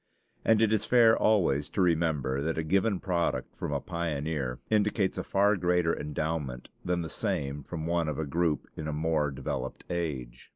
And it is fair always to remember that a given product from a pioneer indicates a far greater endowment than the same from one of a group in a more developed age.